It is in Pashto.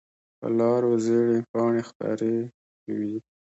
په لارو زېړې پاڼې خپرې وي